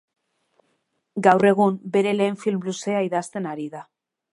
Gaur egun, bere lehen film luzea idazten ari da.